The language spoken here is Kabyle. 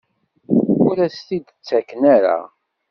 Ur as-t-id-ttaken ara?